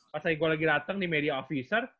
pas lagi gua lagi dateng di media officer